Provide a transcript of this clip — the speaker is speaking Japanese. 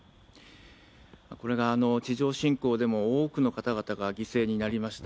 これが地上侵攻でも多くの方々が犠牲になりました。